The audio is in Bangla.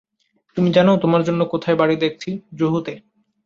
তুমি জানো তোমার জন্য কোথায় বাড়ি দেখছি, জুহুতে।